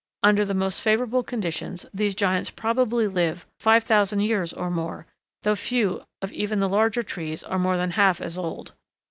Under the most favorable conditions these giants probably live 5000 years or more, though few of even the larger trees are more than half as old.